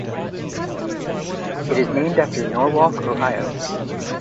It is named after Norwalk, Ohio.